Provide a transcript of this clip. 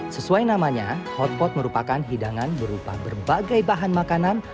sesuai namanya hotpot merupakan hidangan berupa berbagai bahan makanan